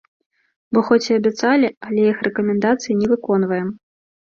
Бо хоць і абяцалі, але іх рэкамендацыі не выконваем.